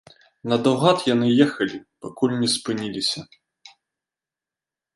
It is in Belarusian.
Надаўгад яны ехалі, пакуль не спыніліся.